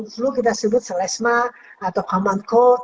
flu kita sebut selesma atau common cold